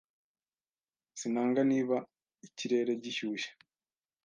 Sinanga niba ikirere gishyushye.